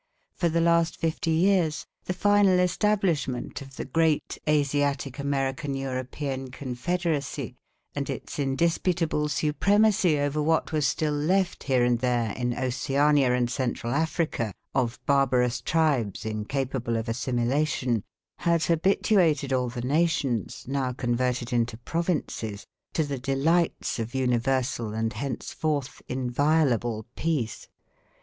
For the last fifty years, the final establishment of the great Asiatic American European confederacy, and its indisputable supremacy over what was still left, here and there, in Oceania and central Africa of barbarous tribes incapable of assimilation, had habituated all the nations, now converted into provinces, to the delights of universal and henceforth inviolable peace.